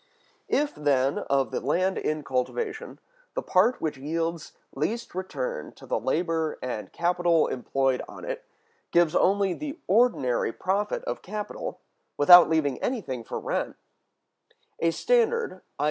If, then, of the land in cultivation, the part which yields least return to the labor and capital employed on it gives only the ordinary profit of capital, without leaving anything for rent, a standard [i.